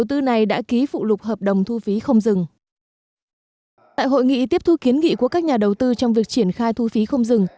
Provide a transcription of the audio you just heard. tại hội nghị tiếp thu kiến nghị của các nhà đầu tư trong việc triển khai thu phí không dừng